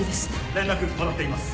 連絡もらっています。